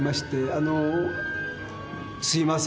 あのすいません。